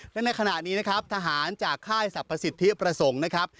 และในขณะนี้นะครับทหารจากค่ายสรรพสิทธิประสงค์นะครับ